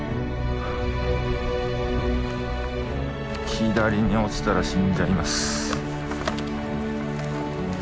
左に落ちたら死んじゃいます。